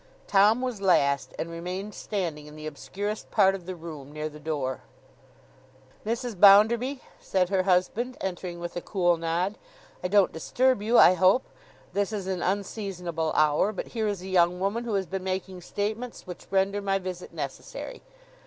Tom was last; and remained standing in the obscurest part of the room, near the door. 'Mrs. Bounderby,' said her husband, entering with a cool nod, 'I don't disturb you, I hope. This is an unseasonable hour, but here is a young woman who has been making statements which render my visit necessary.